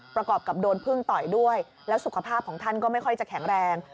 ประกอบกับโดนพึ่งต่อยด้วยแล้วสุขภาพของท่านก็ไม่ค่อยจะแข็งแรง